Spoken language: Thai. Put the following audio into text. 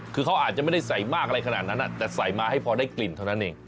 คือเขาอาจจะไม่ได้ใส่มากอะไรขนาดนั้นแต่ใส่มาให้พอได้กลิ่นเท่านั้นเอง